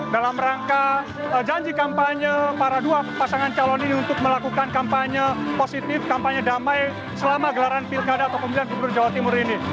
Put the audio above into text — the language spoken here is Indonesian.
dalam rangka janji kampanye para dua pasangan calon ini untuk melakukan kampanye positif kampanye damai selama gelaran pilkada atau pemilihan gubernur jawa timur ini